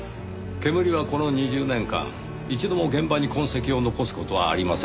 けむりはこの２０年間一度も現場に痕跡を残す事はありませんでした。